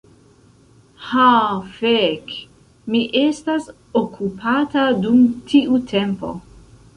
"Ha fek' mi estas okupata dum tiu tempo"